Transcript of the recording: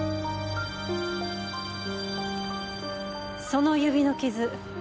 その指の傷